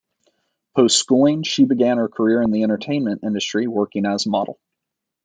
Post schooling, she began her career in the entertainment industry working as a model.